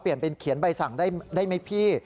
เปลี่ยนเป็นเขียนใบสั่งได้ไหมพี่